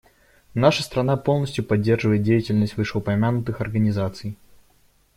Наша страна полностью поддерживает деятельность вышеупомянутых организаций.